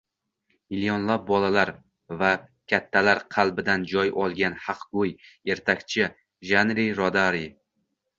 Millionlab bolalar va kattalar qalbidan joy olgan haqgo‘y ertakchi — Janni Rodari